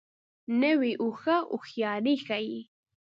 نوې هوښه هوښیاري ښیي